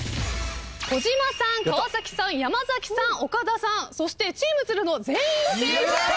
児嶋さん川さん山崎さん岡田さんそしてチームつるのは全員正解です。